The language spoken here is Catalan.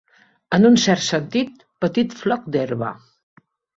En un cert sentit, petit floc d'herba.